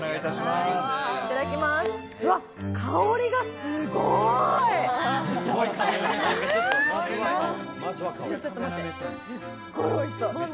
すごいおいしそう。